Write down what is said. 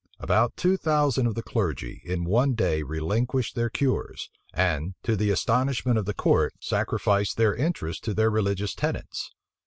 About two thousand of the clergy, in one day, relinquished their cures; and, to the astonishment of the court, sacrificed their interest to their religious tenets.